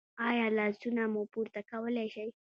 ایا لاسونه مو پورته کولی شئ؟